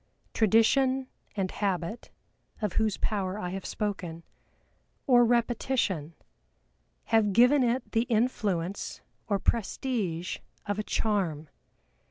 Tradition, and habit (of whose power I have spoken) or repetition, have given it the influence or prestige of a charm.